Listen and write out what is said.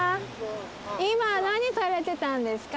今何されてたんですか？